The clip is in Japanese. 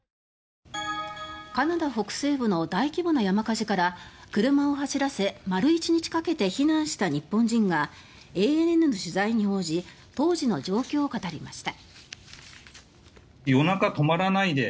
カナダ北西部の大規模な山火事から車を走らせ丸１日かけ避難した日本人がＡＮＮの取材に応じ当時の状況を語りました。